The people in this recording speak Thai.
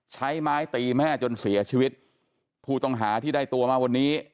ใช้ไม้ตีแม่จนเสียชีวิตผู้ต้องหาที่ได้ตัวมาวันนี้